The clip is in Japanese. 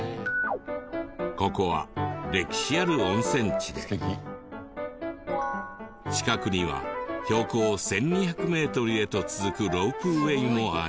ここは歴史ある温泉地で近くには標高１２００メートルへと続くロープウェーもあり。